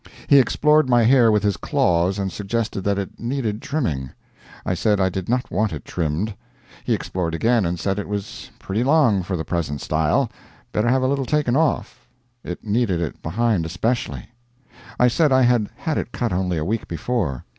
He explored my hair with his claws and suggested that it needed trimming. I said I did not want it trimmed. He explored again and said it was pretty long for the present style better have a little taken off; it needed it behind especially. I said I had had it cut only a week before.